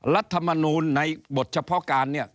รัฐมนูลในบทเฉพาะการเนี่ย